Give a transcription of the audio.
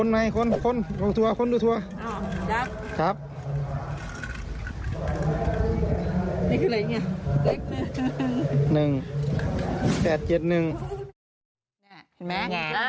นี่คืออะไรอย่างเนี่ย